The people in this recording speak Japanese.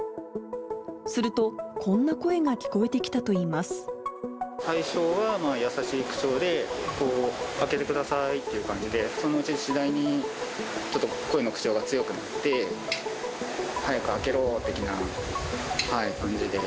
すると、こんな声が聞こえてきた最初は優しい口調で、開けてくださいっていう感じで、そのうち次第に、ちょっと声の口調が強くなって、早く開けろ的な感じで。